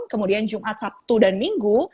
kemudian jumat sabtu dan minggu